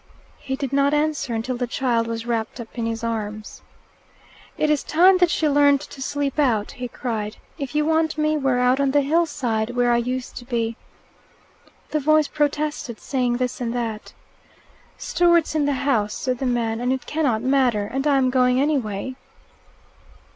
He did not answer until the child was wrapped up in his arms. "It is time that she learnt to sleep out," he cried. "If you want me, we're out on the hillside, where I used to be." The voice protested, saying this and that. "Stewart's in the house," said the man, "and it cannot matter, and I am going anyway."